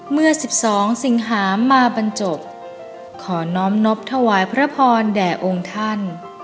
เมื่อ๑๒สิงหามาบรรจบขอน้อมนบถวายพระพรแด่องค์ท่าน